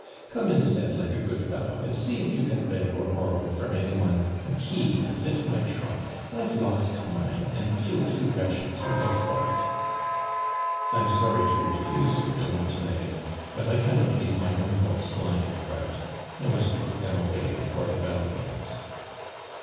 *' Come instead, like a good fellow, and see if you can beg or bor 1 i ^w from any one, a kiy to fit 'my trunk. I've lost mine and feel too wretched to look for it!" " I'm soriy to refuse you, de Montenay, but I cannot leave my own books lying al)out. I nmst put them away befpre the bell rings."